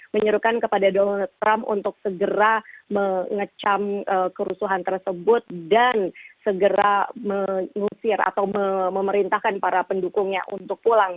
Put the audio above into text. menyerukan kepada donald trump untuk segera mengecam kerusuhan tersebut dan segera mengusir atau memerintahkan para pendukungnya untuk pulang